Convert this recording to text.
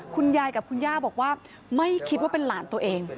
คุณยายกับคุณย่าบอกว่าไม่คิดว่าเป็นหลานตัวเอง